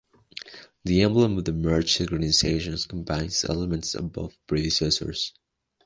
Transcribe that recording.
The emblem of the merged organization combines elements of both predecessors.